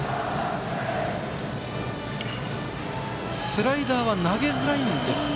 スライダーは投げづらいんですか。